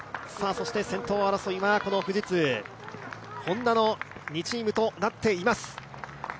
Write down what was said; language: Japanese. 先頭争いは富士通、Ｈｏｎｄａの２チームとなっています。